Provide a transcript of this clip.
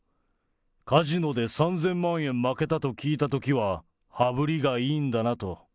カジノで３０００万円負けたと聞いたときは、羽振りがいいんだなと。